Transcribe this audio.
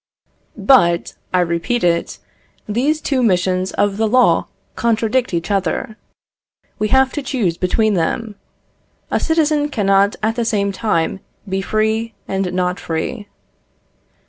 But, I repeat it, these two missions of the law contradict each other. We have to choose between them. A citizen cannot at the same time be free and not free.